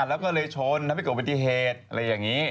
แล้วก็เลยชนหล่อไม่เกาะวิทยาทอะไรอย่างนี้